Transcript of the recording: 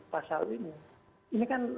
pasal ini ini kan